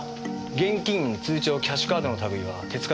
現金通帳キャッシュカードの類は手付かずです。